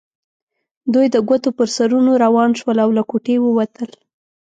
دوی د ګوتو پر سرونو روان شول او له کوټې ووتل.